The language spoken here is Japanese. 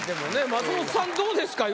松本さんどうですか？